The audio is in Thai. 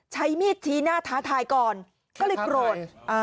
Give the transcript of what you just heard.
ใช้มีดชี้หน้าท้าทายก่อนก็เลยโกรธ